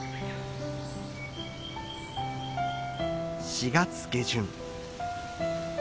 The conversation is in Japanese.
４月下旬。